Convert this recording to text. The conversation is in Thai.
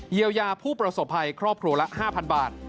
เยียวยาผู้ประสบภัยครอบครัวละ๕๐๐บาท